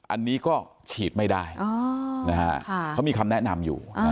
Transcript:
อันนี้ก็ฉีดไม่ได้เขามีคำแนะนำอยู่